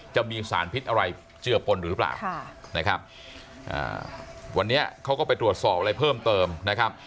จะมีสารพิษอะไรเจือปนอยู่หรือเปล่านะครับวันนี้เขาก็ไปตรวจสอบอะไรเพิ่มเติมนะครับ